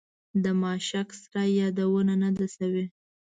د ماشک سرای یادونه نه ده شوې.